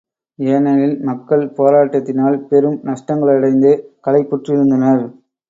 ஏனெனில், மக்கள் போராட்டத்தினால் பெரும் நஷ்டங்களடைந்து களைப்புற்றிருந்தனர்.